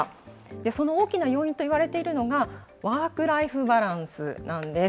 その大きな要因といわれているのが、ワーク・ライフ・バランスなんです。